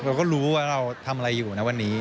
เราก็รู้ว่าเราทำอะไรอยู่นะวันนี้